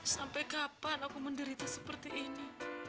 sampai kapan aku menderita seperti ini